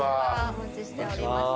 お待ちしておりました。